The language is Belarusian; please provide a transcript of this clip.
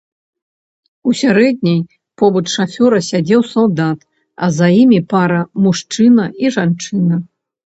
У сярэдняй побач шафёра сядзеў салдат, а за імі пара, мужчына і жанчына.